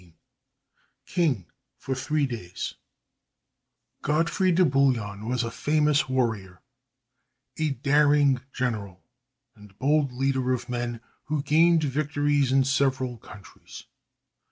] King for Three Days Godfrey de Bouillon was a famous warrior, a daring general and bold leader of men, who gained victories in several countries.